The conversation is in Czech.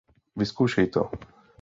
Vyzkoušej to.